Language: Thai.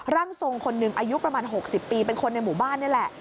ร่างทรงคนหนึ่งอายุประมาณ๖๐ปีเป็นคนในหมู่บ้านนี่แหละ